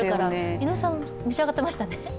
井上さん、召し上がってましたね？